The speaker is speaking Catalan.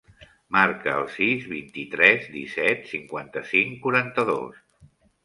Marca el sis, vint-i-tres, disset, cinquanta-cinc, quaranta-dos.